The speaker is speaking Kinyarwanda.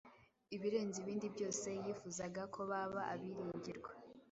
Ibirenze ibindi byose, yifuzaga ko baba abiringirwa.